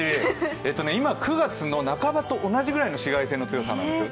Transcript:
今、９月の半ばと同じぐらいの紫外線の強さなんですよ。